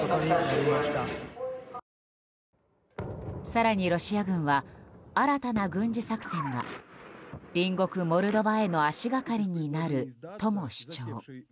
更に、ロシア軍は新たな軍事作戦が隣国モルドバへの足がかりになるとも主張。